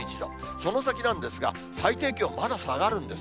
その先なんですが、最低気温、まだ下がるんです。